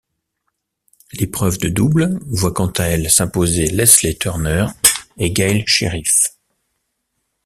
L'épreuve de double voit quant à elle s'imposer Lesley Turner et Gail Sherriff.